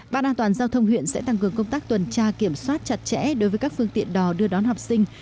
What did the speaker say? ban an toàn giao thông huyện sẽ tăng cường công tác tuần tra kiểm soát chặt chẽ đối với các phương tiện đò đưa đón học sinh